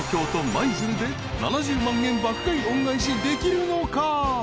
舞鶴で７０万円爆買い恩返しできるのか？］